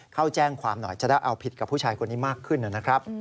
เข้าแจ้งความหน่อยจะได้เอาผิดกับผู้ชายคนนี้มากขึ้นนะครับ